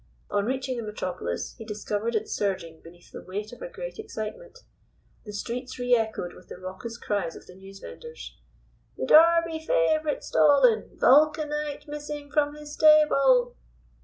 On reaching the metropolis he discovered it surging beneath the weight of a great excitement. The streets re echoed with the raucous cries of the newsvenders: "The Derby favorite stolen Vulcanite missing from his stable!"